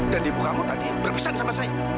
dan ibu kamu tadi berpisah sama saya